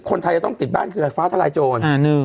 คนไทยจะต้องติดบ้านคืออะไรฟ้าทลายโจร